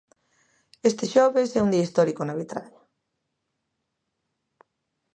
Este xoves é un día histórico na Bretaña.